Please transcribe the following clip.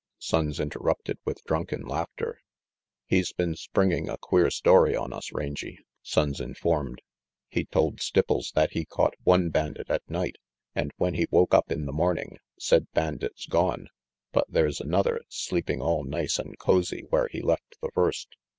Sonnes interrupted with drunken laughter. "He's been springing a queer story on us, Rangy," Sonnes informed. "He told Stipples that he caught one bandit at night, and when he woke up in the morning, said bandit's gone, but there's another sleeping all nice and cosy where he left the first.